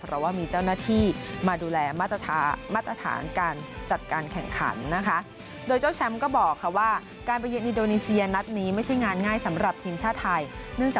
และบรรยากาศของแฟนบอลเจ้าทิสค่ะ